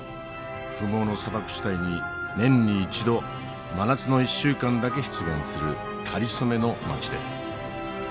不毛の砂漠地帯に年に一度真夏の１週間だけ出現するかりそめの街です。